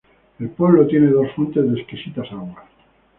El pueblo tiene dos fuentes de exquisitas aguas.